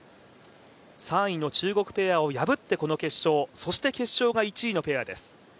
３位の中国ペアを破ってこの決勝そしてこの１勝が１位のペアです。